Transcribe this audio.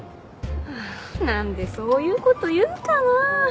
はぁ何でそういうこと言うかな。